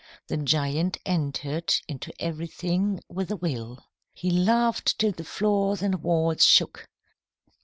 The giant entered into everything with a will. He laughed till the floors and walls shook.